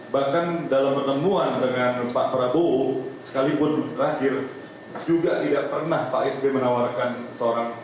bahkan dalam pertemuan dengan pak prabowo sekalipun terakhir juga tidak pernah pak sby menawarkan seorang